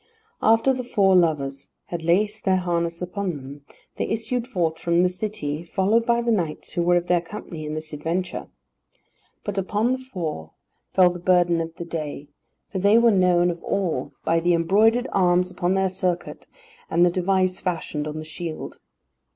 After the four lovers had laced their harness upon them, they issued forth from the city, followed by the knights who were of their company in this adventure. But upon the four fell the burden of the day, for they were known of all by the embroidered arms upon their surcoat, and the device fashioned on the shield.